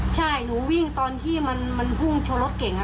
ใช่หนูวิ่งตอนที่มันพุ่งชนรถเก่ง